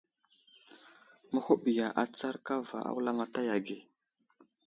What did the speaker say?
Məhuɓiya atsar kava a wulamataya ge.